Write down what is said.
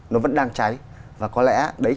nó vẫn đang cháy và có lẽ đấy